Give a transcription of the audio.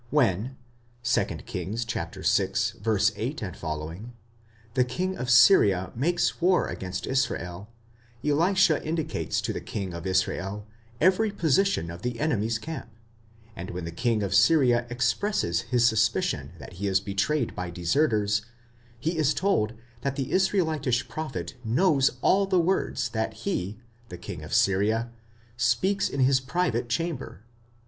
When (2 Kings vi. 8, ff.) the king of Syria makes war against Israel, Elisha indicates to the king of Israel every position of the enemy's camp; and when the king of Syria expresses his suspicion that he is betrayed by deserters, he is told that the Israelitish pro phet knows all the words that he, the king of Syria, speaks in his private chamber.